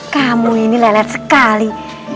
kamu ini lelet sekali